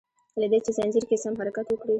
له دي چي ځنځير کی سم حرکت وکړي